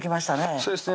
そうですね